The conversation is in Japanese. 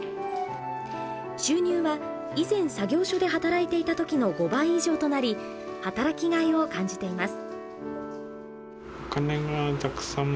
収入は以前作業所で働いていた時の５倍以上となり働きがいを感じています。